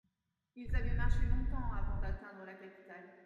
Ils avaient marché longtemps avant d’atteindre la capitale.